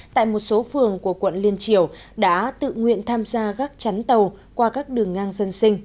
tại một số phường của quận liên triều đã tự nguyện tham gia gác chắn tàu qua các đường ngang dân sinh